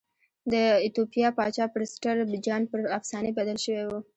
د ایتوپیا پاچا پرسټر جان پر افسانې بدل شوی و.